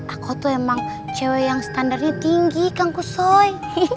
aku tuh emang cewek yang standarnya tinggi kang kusoy